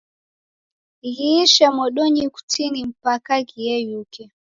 Ghiishe modonyi kutini mpaka ghiyeyuke.